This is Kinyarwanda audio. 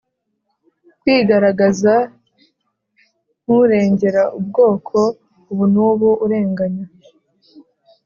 kwigaragaza nk'urengera ubwoko ubu n'ubu urenganya